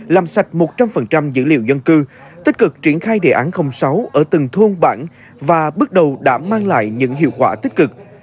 làm sạch một trăm linh dữ liệu dân cư tích cực triển khai đề án sáu ở từng thôn bản và bước đầu đã mang lại những hiệu quả tích cực